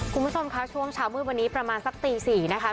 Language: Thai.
คุณผู้ชมคะช่วงเช้ามืดวันนี้ประมาณสักตี๔นะคะ